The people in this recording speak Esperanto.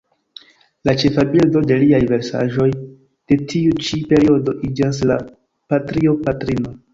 La ĉefa bildo de liaj versaĵoj de tiu ĉi periodo iĝas la Patrio-patrino.